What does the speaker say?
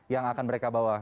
yang akan mereka bawa